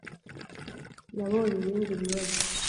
Nabonye ibindi bibazo.